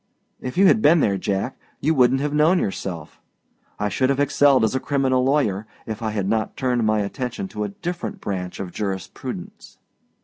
If you had been there, Jack, you wouldnât have known yourself. I should have excelled as a criminal lawyer, if I had not turned my attention to a different branch of jurisprudence.